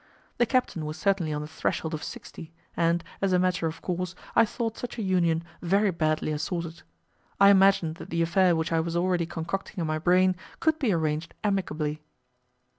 The captain was certainly on the threshold of sixty, and, as a matter of course, I thought such a union very badly assorted. I imagined that the affair which I was already concocting in my brain could be arranged amicably.